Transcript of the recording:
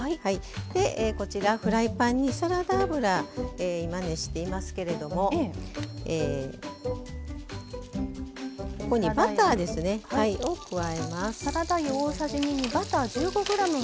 でこちらフライパンにサラダ油今熱していますけれどもえここにバターですねを加えます。